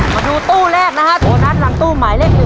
มาดูตู้แรกนะฮะโบนัสหลังตู้หมายเลข๑